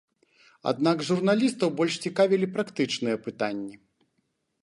Аднак журналістаў больш цікавілі практычныя пытанні.